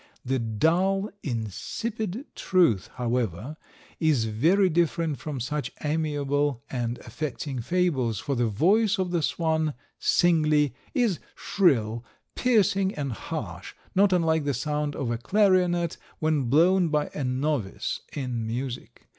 'The dull, insipid truth,' however, is very different from such amiable and affecting fables, for the voice of the swan, singly, is shrill, piercing and harsh, not unlike the sound of a clarionet when blown by a novice in music.